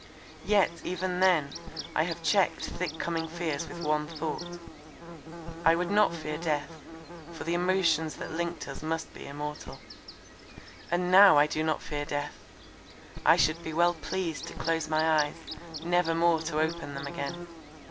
Yet, even then, I have checked thick coming fears with one thought; I would not fear death, for the emotions that linked us must be immortal. "And now I do not fear death. I should be well pleased to close my eyes, never more to open them again.